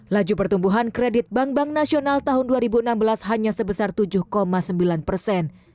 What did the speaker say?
laju pertumbuhan kredit bank bank nasional tahun dua ribu enam belas hanya sebesar tujuh sembilan persen